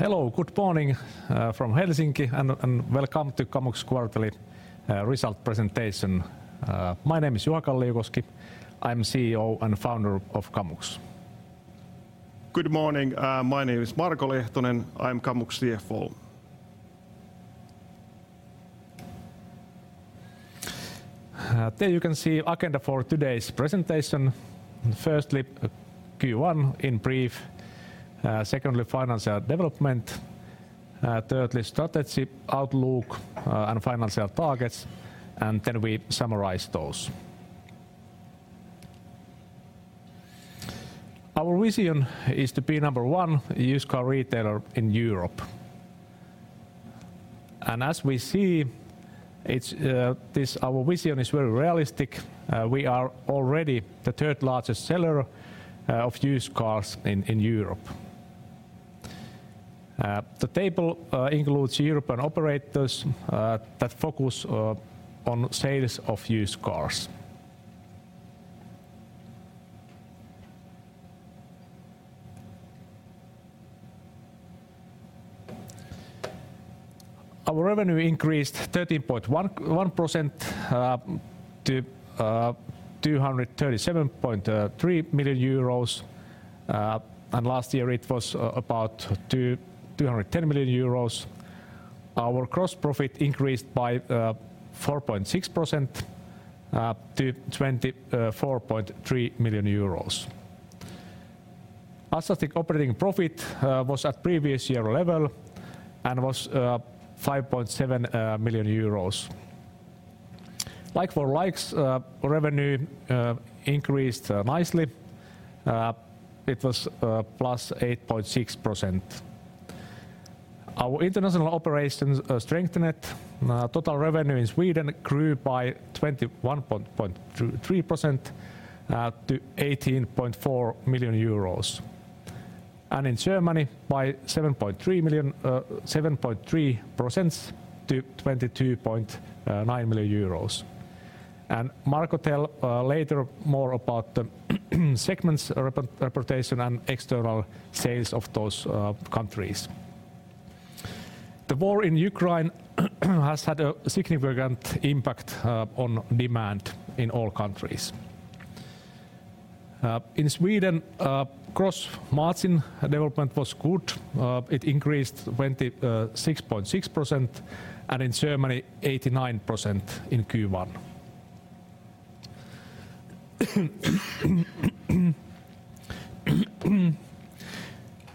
Hello, good morning, from Helsinki and welcome to Kamux quarterly result presentation. My name is Juha Kalliokoski. I'm CEO and Founder of Kamux. Good morning. My name is Marko Lehtonen. I'm Kamux CFO. There you can see agenda for today's presentation. Firstly, Q1 in brief. Secondly, financial development. Thirdly, strategy, outlook, and financial targets. We summarize those. Our vision is to be number one used car retailer in Europe. As we see, it's this. Our vision is very realistic. We are already the third largest seller of used cars in Europe. The table includes European operators that focus on sales of used cars. Our revenue increased 13.11% to 237.3 million euros, and last year it was about 210 million euros. Our gross profit increased by 4.6% to EUR 24.3 million. Adjusting operating profit was at previous year level and 5.7 million euros. Like-for-like revenue increased nicely. It was +8.6%. Our international operations are strengthened. Total revenue in Sweden grew by 21.3% to 18.4 million euros, and in Germany by 7.3% to 22.9 million euros. Marko tell later more about the segments reporting and external sales of those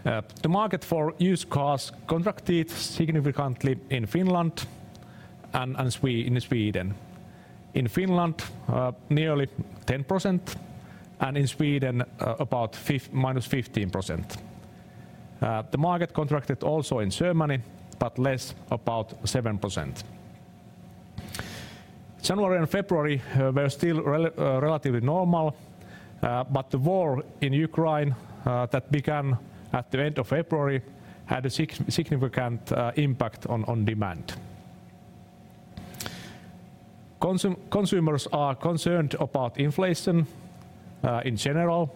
countries. The war in Ukraine has had a significant impact on demand in all countries. In Sweden, gross margin development was good. It increased 26.6%, and in Germany 89% in Q1. The market for used cars contracted significantly in Finland and in Sweden. In Finland, nearly 10% and in Sweden, about -15%. The market contracted also in Germany, but less, about 7%. January and February were still relatively normal, but the war in Ukraine that began at the end of February had a significant impact on demand. Consumers are concerned about inflation in general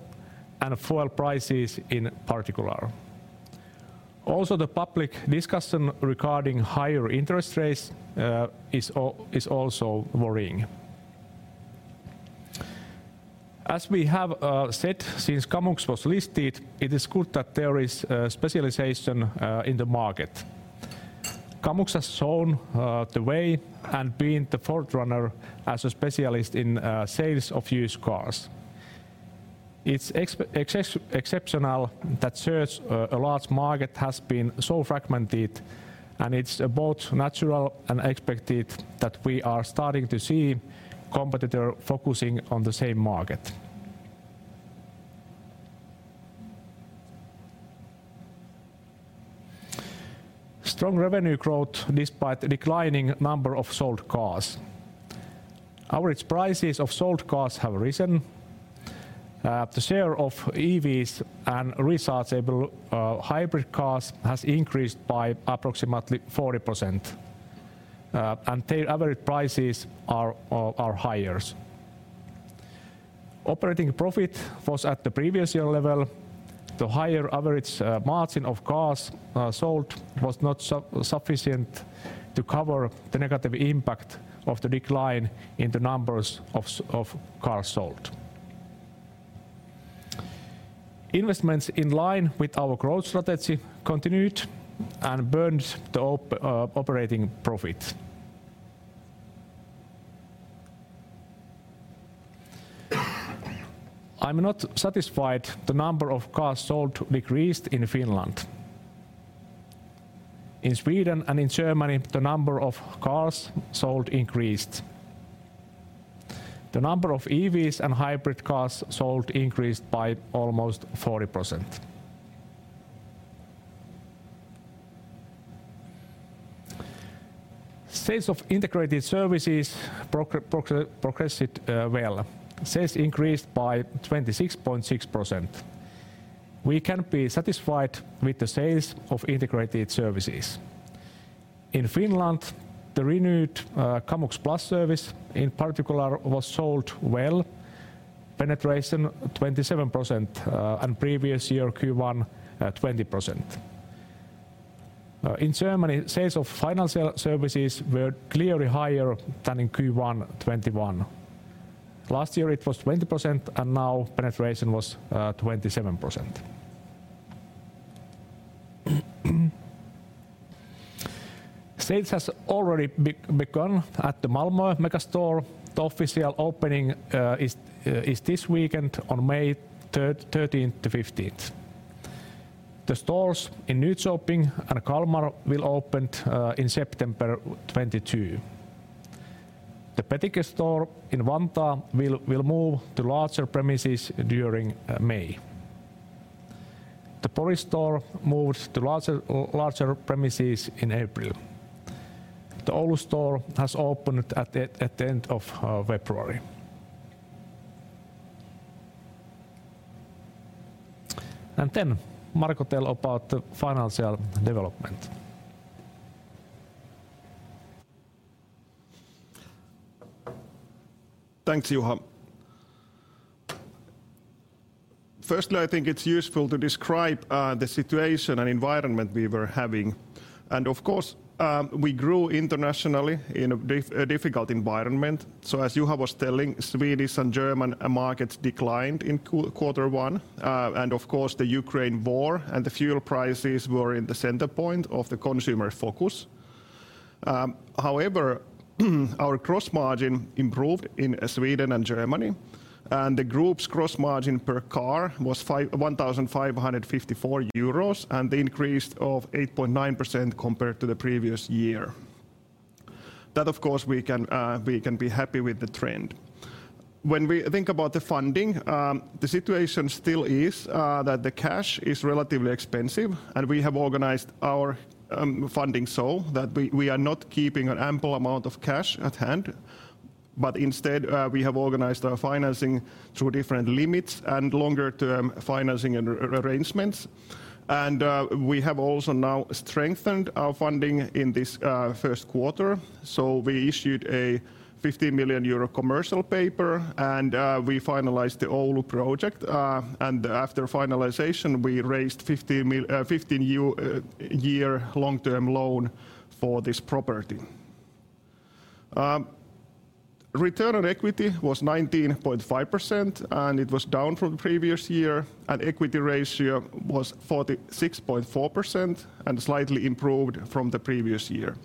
and fuel prices in particular. Also, the public discussion regarding higher interest rates is also worrying. As we have said since Kamux was listed, it is good that there is specialization in the market. Kamux has shown the way and been the front runner as a specialist in sales of used cars. It's exceptional that such a large market has been so fragmented, and it's both natural and expected that we are starting to see competitors focusing on the same market. Strong revenue growth despite the declining number of sold cars. Average prices of sold cars have risen. The share of EVs and rechargeable hybrid cars has increased by approximately 40%, and their average prices are higher. Operating profit was at the previous year level. The higher average margin of cars sold was not sufficient to cover the negative impact of the decline in the numbers of cars sold. Investments in line with our growth strategy continued and burdened the operating profit. I'm not satisfied the number of cars sold decreased in Finland. In Sweden and in Germany, the number of cars sold increased. The number of EVs and hybrid cars sold increased by almost 40%. Sales of integrated services progressed. Sales increased by 26.6%. We can be satisfied with the sales of integrated services. In Finland, the renewed Kamux Plus service in particular was sold well, penetration 27%, and previous year Q1, 20%. In Germany, sales of financial services were clearly higher than in Q1 2021. Last year it was 20% and now penetration was 27%. Sales has already begun at the Malmö megastore. The official opening is this weekend on May thirteenth to fifteenth. The stores in Nyköping and Kalmar will open in September 2022. The Petikko store in Vantaa will move to larger premises during May. The Pori store moved to larger premises in April. The Oulu store has opened at the end of February. Marko tell about the financial development. Thanks, Juha. Firstly, I think it's useful to describe the situation and environment we were having. Of course, we grew internationally in a difficult environment. As Juha was telling, Swedish and German markets declined in quarter one. Of course, the Ukraine war and the fuel prices were in the center point of the consumer focus. However, our gross margin improved in Sweden and Germany, and the group's gross margin per car was 1,554 euros, and the increase of 8.9% compared to the previous year. That of course we can be happy with the trend. When we think about the funding, the situation still is that the cash is relatively expensive and we have organized our funding so that we are not keeping an ample amount of cash at hand, but instead, we have organized our financing through different limits and longer term financing arrangements. We have also now strengthened our funding in this first quarter, so we issued 50 million euro commercial paper, and we finalized the Oulu project. After finalization, we raised 50 million, a 15-year long-term loan for this property. Return on equity was 19.5%, and it was down from the previous year, and equity ratio was 46.4% and slightly improved from the previous year.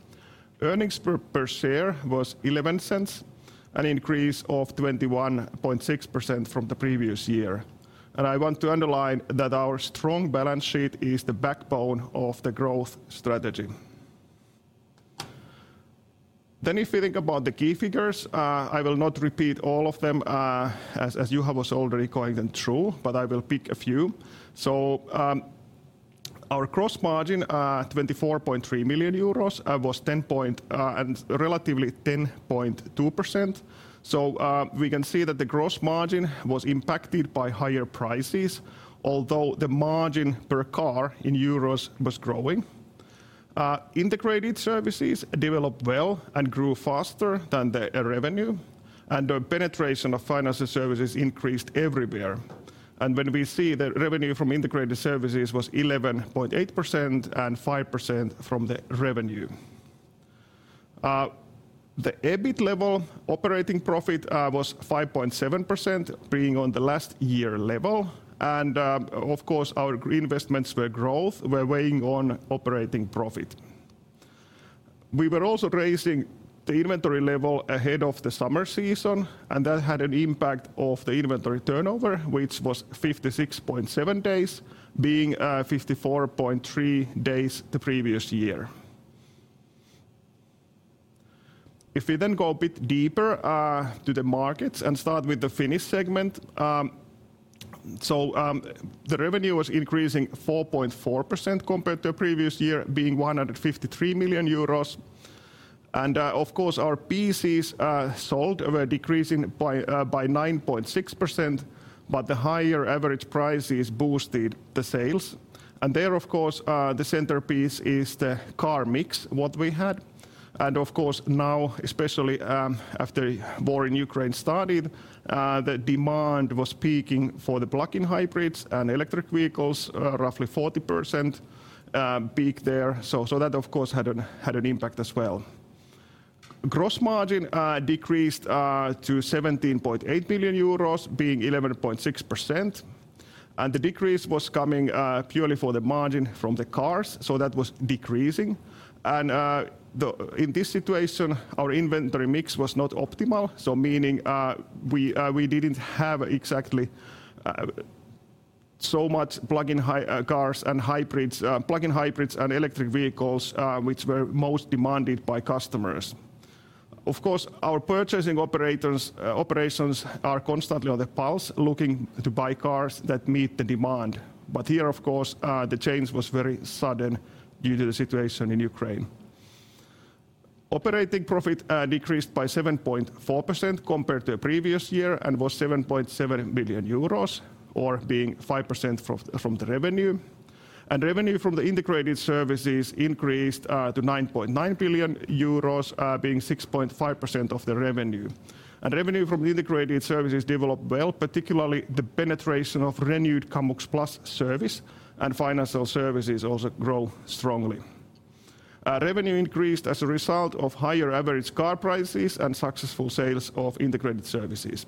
Earnings per share was 0.11 EUR, an increase of 21.6% from the previous year. I want to underline that our strong balance sheet is the backbone of the growth strategy. If you think about the key figures, I will not repeat all of them, as Juha was already going through them, but I will pick a few. Our gross margin, 24.3 million euros, was 10.2%. We can see that the gross margin was impacted by higher prices, although the margin per car in EUR was growing. Integrated services developed well and grew faster than the revenue, and the penetration of financial services increased everywhere. When we see the revenue from integrated services was 11.8% and 5% from the revenue. The EBIT level operating profit was 5.7%, being on the last year level. Of course, our green investments for growth were weighing on operating profit. We were also raising the inventory level ahead of the summer season, and that had an impact on the inventory turnover, which was 56.7 days, being 54.3 days the previous year. If we go a bit deeper to the markets and start with the Finnish segment, the revenue was increasing 4.4% compared to the previous year, being 153 million euros. Of course, our vehicles sold were decreasing by 9.6%, but the higher average prices boosted the sales. There, of course, the centerpiece is the car mix, what we had. Of course, now, especially, after the war in Ukraine started, the demand was peaking for the plug-in hybrids and electric vehicles, roughly 40% peak there. That of course had an impact as well. Gross margin decreased to 17.8 million euros being 11.6%, and the decrease was coming purely for the margin from the cars. That was decreasing. In this situation, our inventory mix was not optimal, meaning we didn't have exactly so much plug-in hybrids and electric vehicles, which were most demanded by customers. Of course, our purchasing operations are constantly on the pulse looking to buy cars that meet the demand. Here, of course, the change was very sudden due to the situation in Ukraine. Operating profit decreased by 7.4% compared to previous year and was 7.7 million euros, or being 5% from the revenue. Revenue from the integrated services increased to 9.9 million euros, being 6.5% of the revenue. Revenue from the integrated services developed well, particularly the penetration of renewed Kamux Plus service and financial services also grow strongly. Revenue increased as a result of higher average car prices and successful sales of integrated services.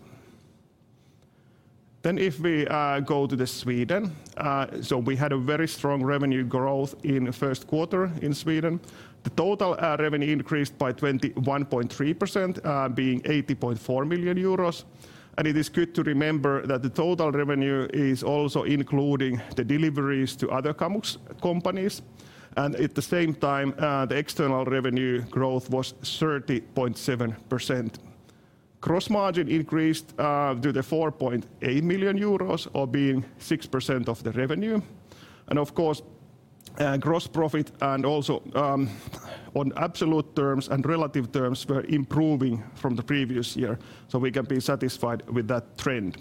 If we go to Sweden, we had a very strong revenue growth in the first quarter in Sweden. The total revenue increased by 21.3%, being 48.4 million euros It is good to remember that the total revenue is also including the deliveries to other Kamux companies. At the same time, the external revenue growth was 30.7%. Gross margin increased to 4.8 million euros or being 6% of the revenue. Of course, gross profit and also on absolute terms and relative terms were improving from the previous year, so we can be satisfied with that trend.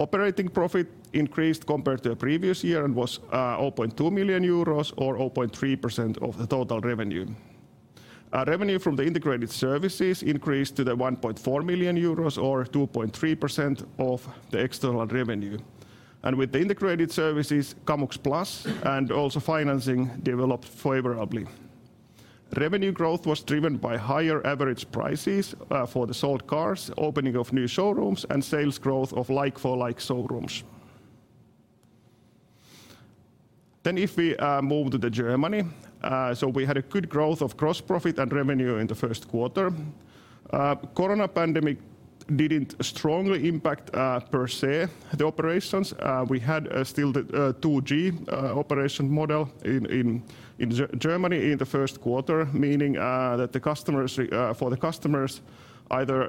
Operating profit increased compared to the previous year and was 0.2 million euros or 0.3% of the total revenue. Revenue from the integrated services increased to 1.4 million euros or 2.3% of the external revenue. With the integrated services, Kamux Plus and also financing developed favorably. Revenue growth was driven by higher average prices for the sold cars, opening of new showrooms and sales growth of like-for-like showrooms. If we move to Germany, so we had a good growth of gross profit and revenue in the first quarter. Corona pandemic didn't strongly impact per se the operations. We had still the 2G operation model in Germany in the first quarter, meaning that for the customers either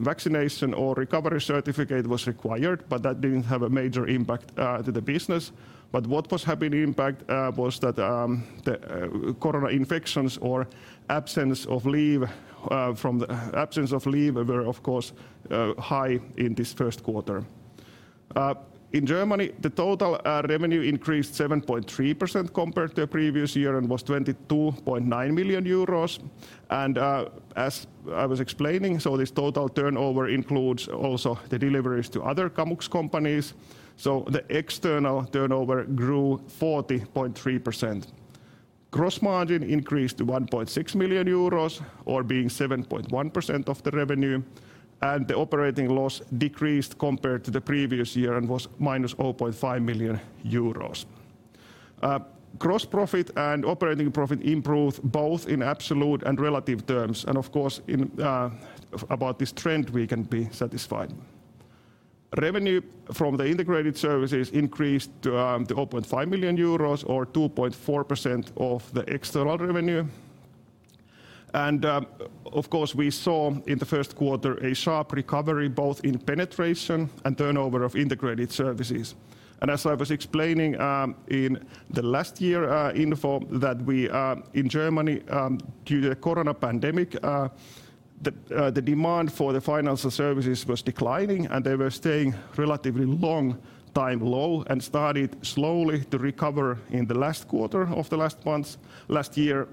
vaccination or recovery certificate was required, but that didn't have a major impact to the business. What was having impact was that the corona infections or absence of leave were of course high in this first quarter. In Germany, the total revenue increased 7.3% compared to the previous year and was 22.9 million euros. As I was explaining, this total turnover includes also the deliveries to other Kamux companies. The external turnover grew 40.3%. Gross margin increased to 1.6 million euros or being 7.1% of the revenue, and the operating loss decreased compared to the previous year and was -0.5 million euros. Gross profit and operating profit improved both in absolute and relative terms, and of course, in about this trend, we can be satisfied. Revenue from the integrated services increased to 0.5 million euros or 2.4% of the external revenue. Of course, we saw in the first quarter a sharp recovery both in penetration and turnover of integrated services. As I was explaining, in the last year in Germany, due to the corona pandemic, the demand for the financial services was declining, and they were staying relatively low for a long time and started slowly to recover in the last quarter of last year,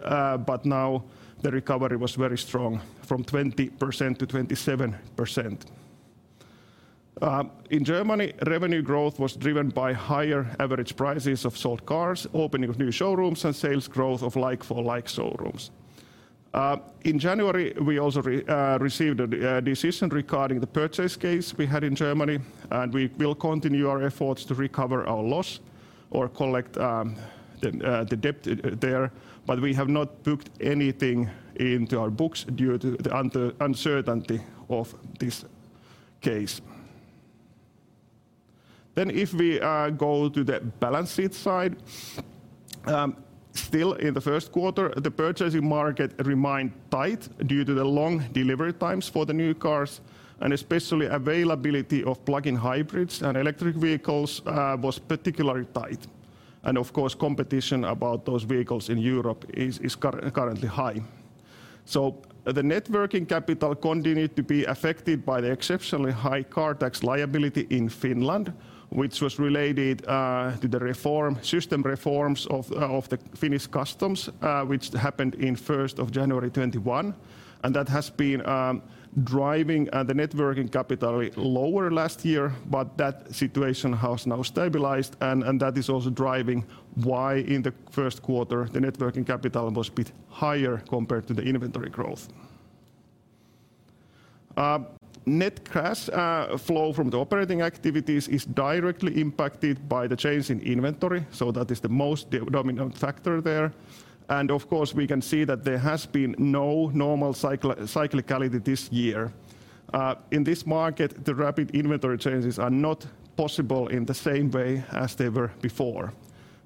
but now the recovery was very strong from 20%-27%. In Germany, revenue growth was driven by higher average prices of sold cars, opening of new showrooms and sales growth of like-for-like showrooms. In January, we also received a decision regarding the purchase case we had in Germany, and we will continue our efforts to recover our loss or collect the debt there, but we have not booked anything into our books due to the uncertainty of this case. If we go to the balance sheet side, still in the first quarter, the purchasing market remained tight due to the long delivery times for the new cars, and especially availability of plug-in hybrids and electric vehicles was particularly tight. Of course, competition about those vehicles in Europe is currently high. The net working capital continued to be affected by the exceptionally high car tax liability in Finland, which was related to the system reforms of the Finnish Customs, which happened in first of January 2021. That has been driving the net working capital lower last year, but that situation has now stabilized, and that is also driving why in the first quarter, the net working capital was a bit higher compared to the inventory growth. Net cash flow from the operating activities is directly impacted by the change in inventory. That is the most dominant factor there. Of course, we can see that there has been no normal cyclicality this year. In this market, the rapid inventory changes are not possible in the same way as they were before.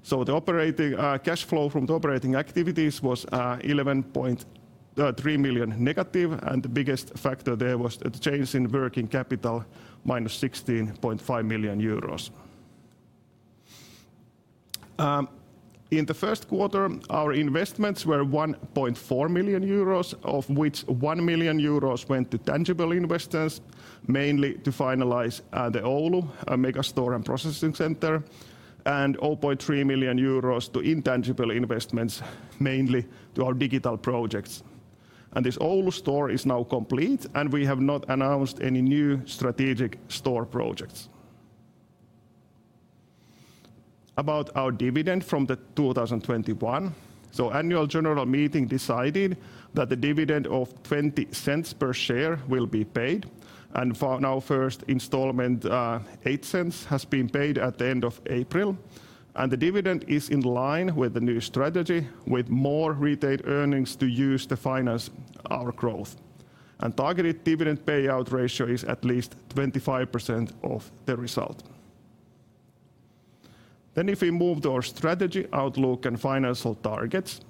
The operating cash flow from the operating activities was 11.3 million negative, and the biggest factor there was the change in working capital, minus 16.5 million euros. In the first quarter, our investments were 1.4 million euros, of which 1 million euros went to tangible investments, mainly to finalize the Oulu mega store and processing center, and 0.3 million euros to intangible investments, mainly to our digital projects. This Oulu store is now complete, and we have not announced any new strategic store projects. About our dividend from 2021, annual general meeting decided that the dividend of 0.20 per share will be paid, and for now first installment, 0.08 has been paid at the end of April. The dividend is in line with the new strategy with more retail earnings to use to finance our growth. Targeted dividend payout ratio is at least 25% of the result. If we move to our strategy outlook and financial targets,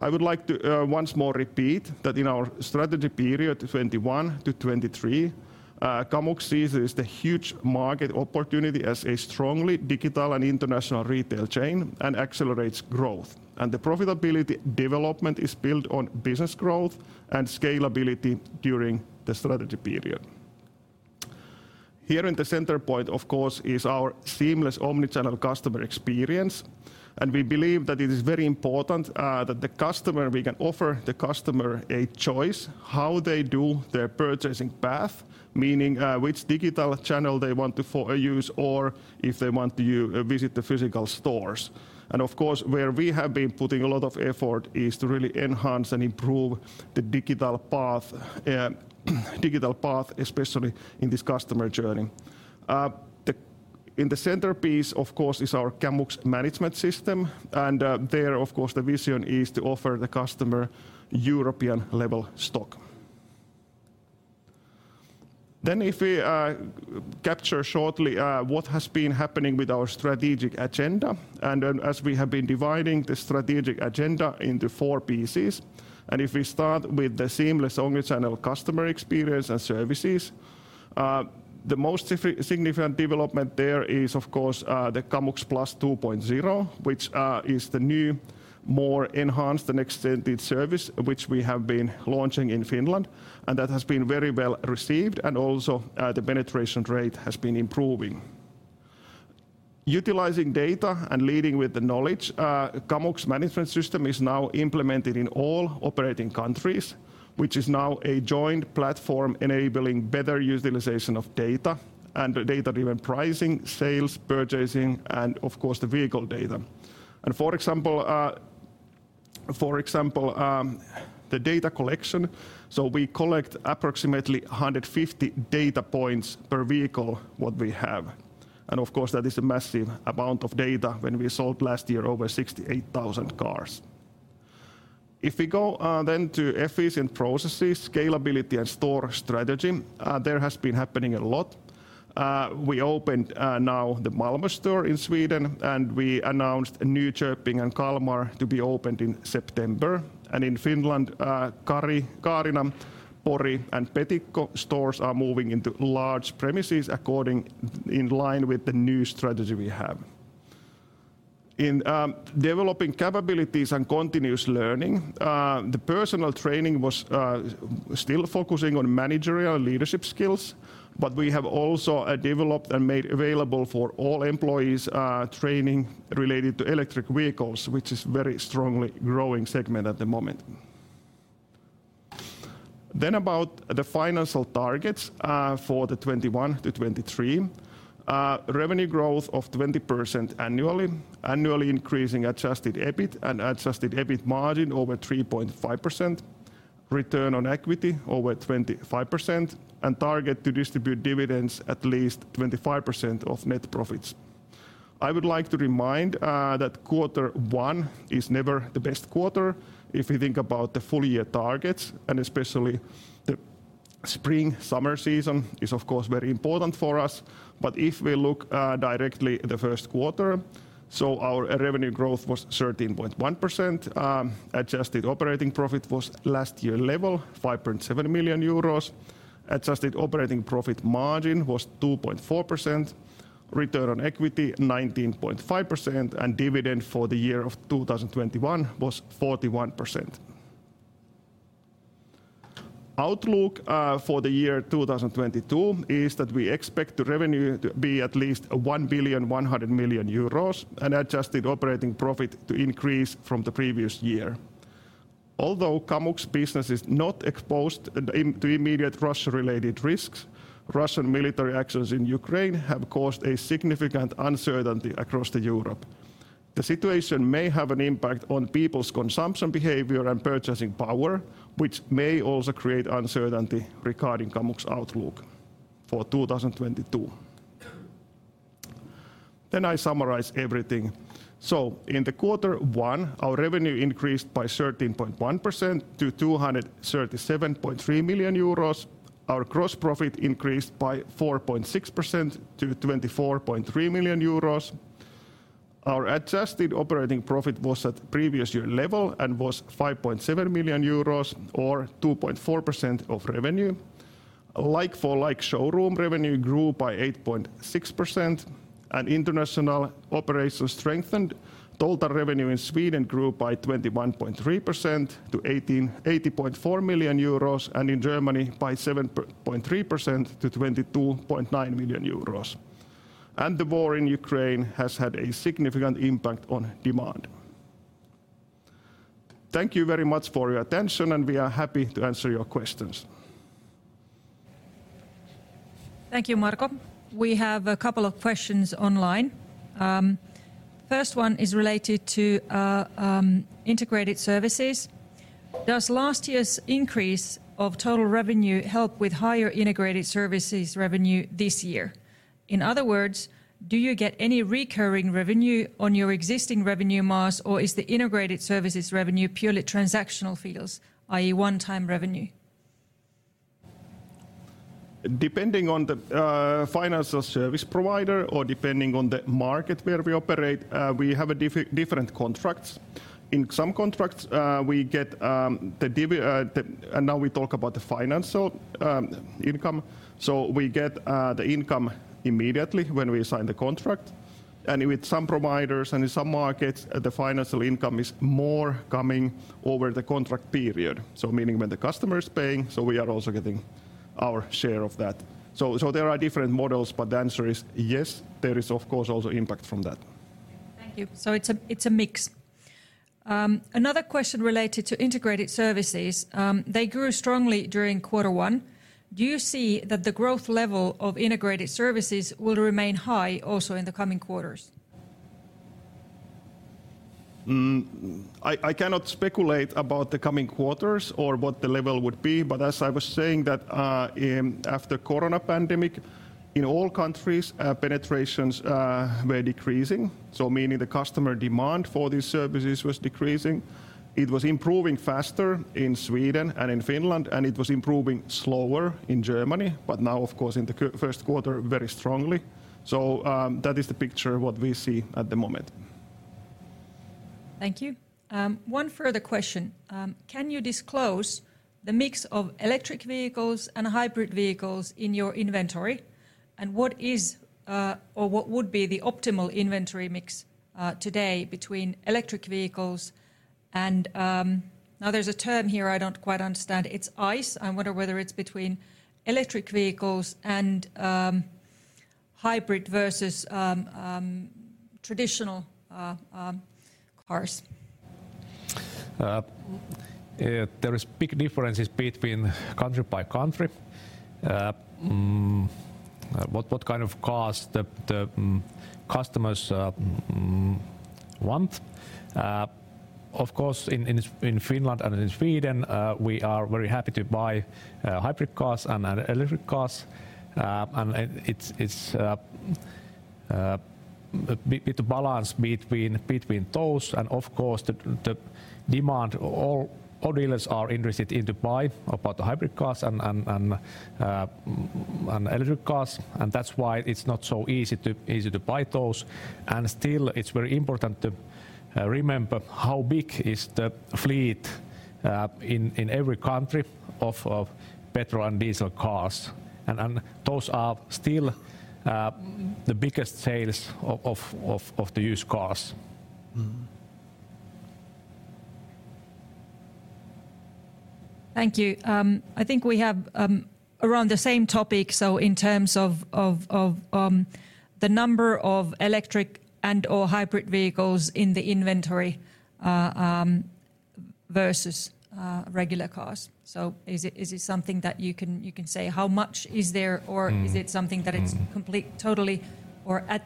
I would like to once more repeat that in our strategy period, 2021-2023, Kamux sees a huge market opportunity as a strongly digital and international retail chain and accelerates growth. The profitability development is built on business growth and scalability during the strategy period. Here in the center point, of course, is our seamless omni-channel customer experience, and we believe that it is very important that the customer... We can offer the customer a choice how they do their purchasing path, meaning, which digital channel they want to use or if they want to visit the physical stores. Of course, where we have been putting a lot of effort is to really enhance and improve the digital path, especially in this customer journey. In the centerpiece, of course, is our Kamux Management System, and there, of course, the vision is to offer the customer European-level stock. If we capture shortly what has been happening with our strategic agenda, and as we have been dividing the strategic agenda into four pieces, and if we start with the seamless omni-channel customer experience and services, the most significant development there is, of course, the Kamux Plus 2.0, which is the new, more enhanced and extended service which we have been launching in Finland, and that has been very well received and also the penetration rate has been improving. Utilizing data and leading with the knowledge, Kamux Management System is now implemented in all operating countries, which is now a joint platform enabling better utilization of data and data-driven pricing, sales, purchasing, and of course the vehicle data. For example, the data collection, so we collect approximately 150 data points per vehicle that we have. Of course, that is a massive amount of data when we sold last year over 68,000 cars. If we go to efficient processes, scalability, and store strategy, there has been a lot happening. We opened now the Malmö store in Sweden, and we announced a new store in Kalmar to be opened in September. In Finland, uncertain are moving into large premises in line with the new strategy we have. In developing capabilities and continuous learning, the personal training was still focusing on managerial leadership skills, but we have also developed and made available for all employees training related to electric vehicles, which is very strongly growing segment at the moment. About the financial targets for the 2021-2023, revenue growth of 20% annually increasing adjusted EBIT and adjusted EBIT margin over 3.5%, return on equity over 25%, and target to distribute dividends at least 25% of net profits. I would like to remind that quarter one is never the best quarter if you think about the full year targets, and especially the spring, summer season is of course very important for us. If we look directly the first quarter, so our revenue growth was 13.1%, adjusted operating profit was last year level, 5.7 million euros, adjusted operating profit margin was 2.4%, return on equity 19.5%, and dividend for the year 2021 was 41%. Outlook for 2022 is that we expect the revenue to be at least 1.1 billion and adjusted operating profit to increase from the previous year. Although Kamux business is not exposed to immediate Russia-related risks, Russian military actions in Ukraine have caused a significantEUR 48.4 millionty across Europe. The situation may have an impact on people's consumption behavior and purchasing power, which may also create uncertainty regarding Kamux outlook for 2022. I summarize everything. In the quarter one, our revenue increased by 13.1% to 237.3 million euros. Our gross profit increased by 4.6% to 24.3 million euros. Our adjusted operating profit was at previous year level and was 5.7 million euros or 2.4% of revenue. Like-for-like showroom revenue grew by 8.6% and international operations strengthened. Total revenue in Sweden grew by 21.3% to 48.4 million euros and in Germany by 7.3% to 22.9 million euros. The war in Ukraine has had a significant impact on demand. Thank you very much for your attention, and we are happy to answer your questions. Thank you, Marko. We have a couple of questions online. First one is related to integrated services. Does last year's increase of total revenue help with higher integrated services revenue this year? In other words, do you get any recurring revenue on your existing revenue mass, or is the integrated services revenue purely transactional fees, i.e., one-time revenue? Depending on the financial service provider or depending on the market where we operate, we have different contracts. In some contracts, we get the financial income. Now we talk about the financial income. We get the income immediately when we sign the contract. With some providers and in some markets, the financial income is more coming over the contract period. Meaning when the customer is paying, we are also getting our share of that. There are different models, but the answer is yes, there is of course also impact from that. Thank you. It's a mix. Another question related to integrated services. They grew strongly during quarter one. Do you see that the growth level of integrated services will remain high also in the coming quarters? I cannot speculate about the coming quarters or what the level would be, but as I was saying that, after corona pandemic, in all countries, penetrations were decreasing, so meaning the customer demand for these services was decreasing. It was improving faster in Sweden and in Finland, and it was improving slower in Germany, but now of course in the first quarter, very strongly. That is the picture what we see at the moment. Thank you. One further question. Can you disclose the mix of electric vehicles and hybrid vehicles in your inventory? What is, or what would be the optimal inventory mix today between electric vehicles and. Now there's a term here I don't quite understand. It's ICE. I wonder whether it's between electric vehicles and hybrid versus traditional cars. There is big differences between country by country. What kind of cars the customers want. Of course, in Finland and in Sweden, we are very happy to buy hybrid cars and electric cars. It's a bit balance between those and of course the demand all dealers are interested in to buy about hybrid cars and electric cars, and that's why it's not so easy to buy those. Still, it's very important to remember how big is the fleet in every country of petrol and diesel cars. Those are still the biggest sales of the used cars. Thank you. I think we have around the same topic, so in terms of the number of electric and/or hybrid vehicles in the inventory, versus regular cars. Is it something that you can say how much is there or? Mm Is it something that it's complete, totally or at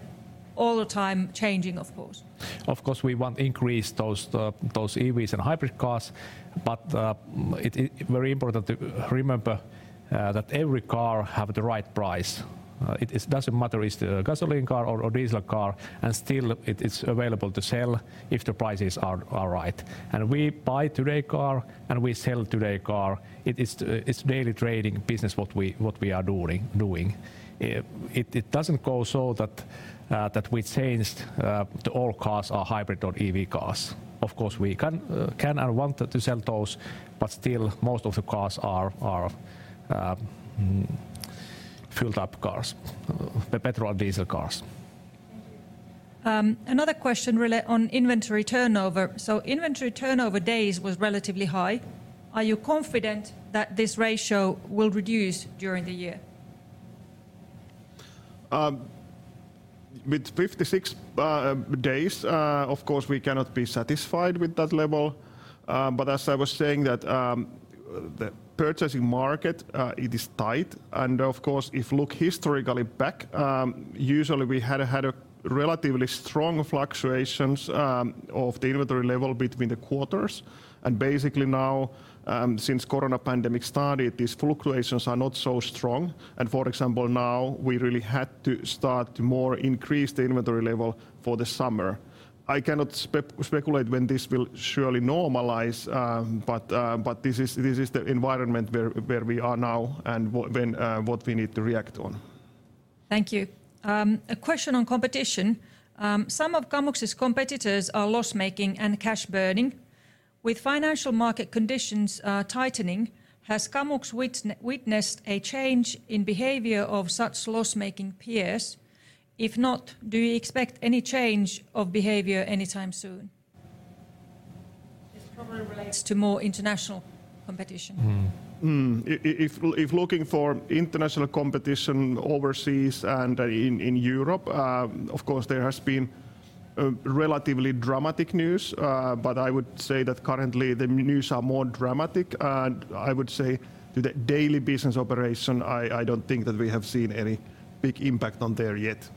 all the time changing of course? Of course, we want increase those EVs and hybrid cars, but it very important to remember that every car have the right price. It doesn't matter it's the gasoline car or a diesel car, and still it is available to sell if the prices are right. We buy today car, and we sell today car. It is daily trading business what we are doing. It doesn't go so that we changed to all cars are hybrid or EV cars. Of course, we can and want to sell those, but still most of the cars are fueled cars, the gasoline and diesel cars. Another question relating to inventory turnover. Inventory turnover days was relatively high. Are you confident that this ratio will reduce during the year? With 56 days, of course, we cannot be satisfied with that level. As I was saying that, the purchasing market, it is tight. Of course, if look historically back, usually we had a relatively strong fluctuations of the inventory level between the quarters. Basically now, since corona pandemic started, these fluctuations are not so strong. For example, now we really had to start to more increase the inventory level for the summer. I cannot speculate when this will surely normalize, but this is the environment where we are now and what we need to react on. Thank you. A question on competition. Some of Kamux's competitors are loss-making and cash burning. With financial market conditions tightening, has Kamux witnessed a change in behavior of such loss-making peers? If not, do you expect any change of behavior anytime soon? This probably relates to more international competition. Mm. If looking for international competition overseas and in Europe, of course, there has been relatively dramatic news. But I would say that currently the news are more dramatic. I would say the daily business operation. I don't think that we have seen any big impact on there yet.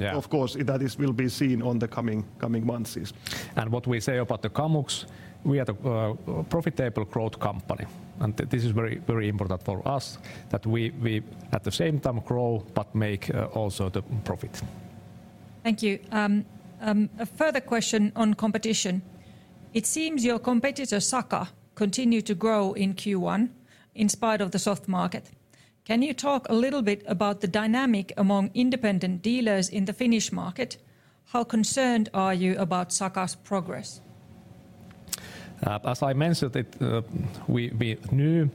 Yeah. Of course, that will be seen in the coming months, yes. What we say about Kamux, we are the profitable growth company. This is very, very important for us that we at the same time grow but make also the profit. Thank you. A further question on competition. It seems your competitor, Saka, continue to grow in Q1 in spite of the soft market. Can you talk a little bit about the dynamic among independent dealers in the Finnish market? How concerned are you about Saka's progress? As I mentioned it, we knew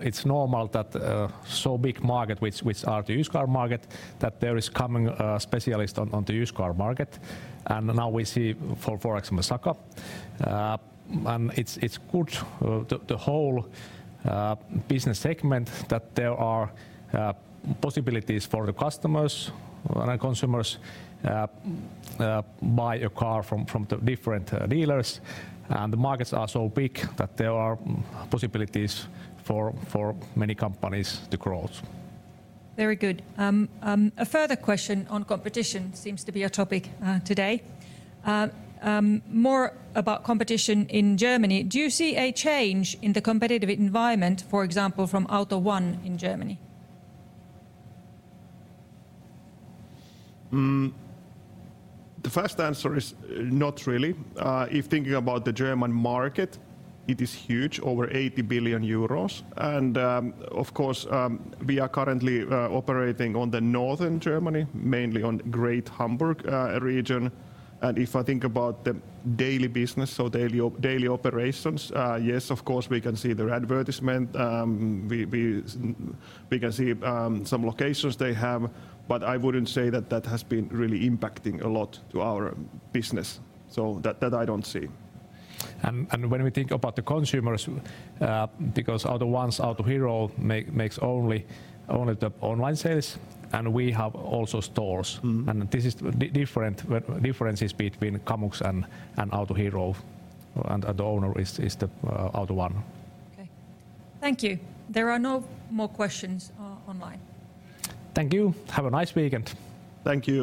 it's normal that so big market which are the used car market that there is coming specialist on the used car market, and now we see, for example, Saka. It's good the whole business segment that there are possibilities for the customers when our consumers buy a car from the different dealers. The markets are so big that there are possibilities for many companies to grow. Very good. A further question on competition, seems to be a topic today. More about competition in Germany. Do you see a change in the competitive environment, for example, from AUTO1 in Germany? The first answer is not really. If thinking about the German market, it is huge, over EUR 80 billion. Of course, we are currently operating on Northern Germany, mainly on Greater Hamburg region. If I think about the daily business or daily operations, yes, of course, we can see their advertisement. We can see some locations they have, but I wouldn't say that has been really impacting a lot to our business. That I don't see. When we think about the consumers, because AUTO1's Autohero makes only the online sales, and we have also stores. Mm-hmm. This is different differences between Kamux and Autohero and the owner is the AUTO1. Okay. Thank you. There are no more questions, online. Thank you. Have a nice weekend. Thank you.